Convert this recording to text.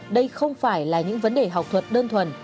đây không phải là những vấn đề học thuật đơn thuần